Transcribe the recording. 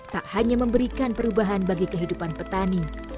tak hanya memberikan perubahan bagi kehidupan petani